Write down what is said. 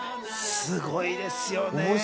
すごいですよね。